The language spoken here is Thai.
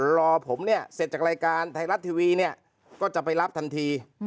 รอผมเนี่ยเสร็จจากรายการไทยรัฐทีวีเนี่ยก็จะไปรับทันที